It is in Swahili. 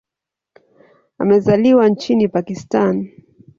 Amezaliwa nchini Pakistan.